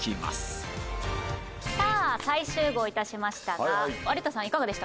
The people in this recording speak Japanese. さあ再集合致しましたが有田さんいかがでしたか？